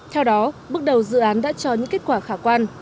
theo đó bước đầu dự án đã diễn biến